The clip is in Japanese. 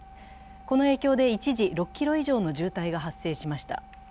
この影響で一時、６ｋｍ以上の渋滞が発生しました。